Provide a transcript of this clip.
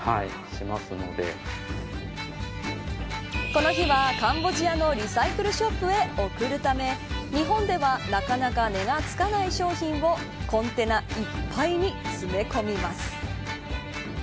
この日は、カンボジアのリサイクルショップへ送るため日本ではなかなか値がつかない商品をコンテナいっぱいに詰め込みます。